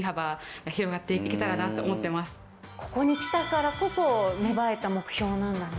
ここに来たからこそ芽生えた目標なんだね。